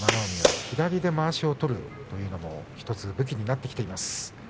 海は左でまわしを取るというのも１つ武器になっています。